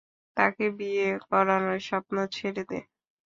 তাকে বিয়ে করানোর স্বপ্ন ছেড়ে দে।